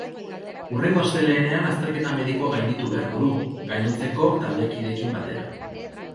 Hurrengo astelehenean azterketa medikoa gainditu beharko du, gainontzeko taldekideekin batera.